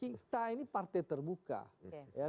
kita ini partai terbuka